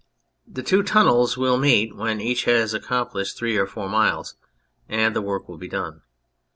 The two tunnels will meet when each has accomplished three or four miles, and the work will be done.